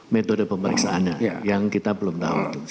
metode pemeriksaannya yang kita belum tahu